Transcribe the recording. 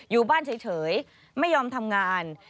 อยู่บ้านเฉยไม่ยอมทำงาน